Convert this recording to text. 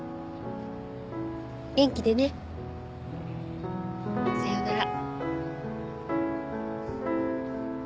元気でね。さようなら。